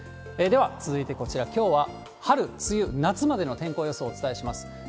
では、続いてこちら、きょうは春、梅雨、夏までの天候予想をお伝えします。